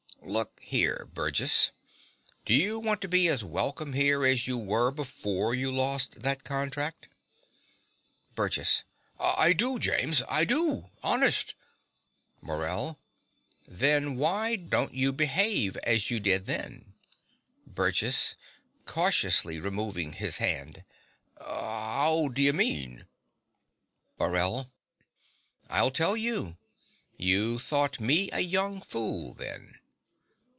Look here, Burgess. Do you want to be as welcome here as you were before you lost that contract? BURGESS. I do, James. I do honest. MORELL. Then why don't you behave as you did then? BURGESS (cautiously removing his hand). 'Ow d'y'mean? MORELL. I'll tell you. You thought me a young fool then.